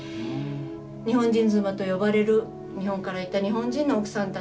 日本人妻と呼ばれる日本から行った日本人の奥さんたち。